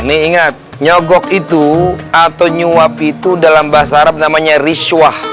nih ingat nyobok itu atau nyewap itu dalam bahasa arab namanya risuah